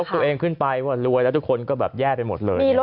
ตัวเองขึ้นไปว่ารวยแล้วทุกคนก็แบบแย่ไปหมดเลย